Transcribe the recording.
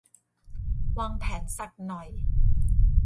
วางแผนสักหน่อย